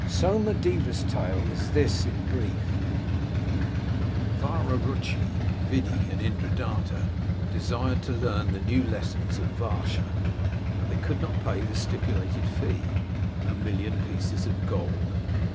Soma Deva's tale is this in brief: — Vararutschi, Vyddi, and Indradatta desired to learn the new lessons of Varscha, but could not pay the stipulated fee — a million pieces of gold.